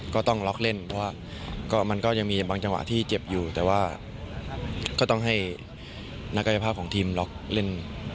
ก็ต้องล็อกเล่นเพราะว่ามันก็ยังมีบางจังหวะที่เจ็บอยู่แต่ว่าก็ต้องให้นักกายภาพของทีมล็อกเล่น